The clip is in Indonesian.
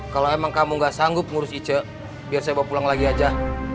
kalau emang kamu gak sanggup ngurus ic biar saya bawa pulang lagi aja